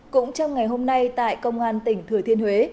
cũng trong ngày hôm nay tại công an tỉnh thừa thiên huế